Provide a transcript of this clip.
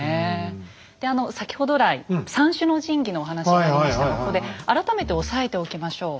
であの先ほど来三種の神器のお話ありましたがここで改めて押さえておきましょう。